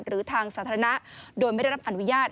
หรือทางสาธารณะโดยไม่ได้รับอนุญาต